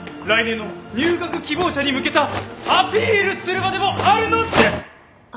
来年の入学希望者に向けたアピールする場でもあるのです！